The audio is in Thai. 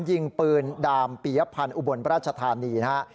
ยิงปืนดามปียพันธ์อุบลราชธานีนะฮะ